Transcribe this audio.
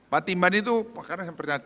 patimban itu karena saya pernah